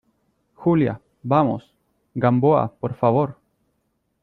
Julia, vamos. Gamboa , por favor .